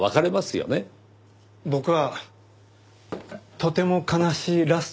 僕はとても悲しいラストだと思います。